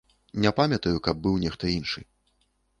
Не памятаю, каб быў нехта іншы.